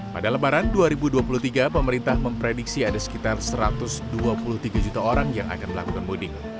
pada lebaran dua ribu dua puluh tiga pemerintah memprediksi ada sekitar satu ratus dua puluh tiga juta orang yang akan melakukan mudik